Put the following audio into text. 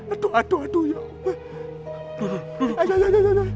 aduh aduh aduh